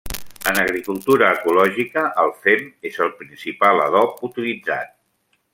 En agricultura ecològica el fem és el principal adob utilitzat.